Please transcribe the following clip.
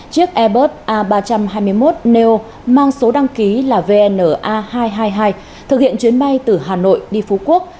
chiếc airbus a ba trăm hai mươi một neo mang số đăng ký là vna hai trăm hai mươi hai thực hiện chuyến bay từ hà nội đi phú quốc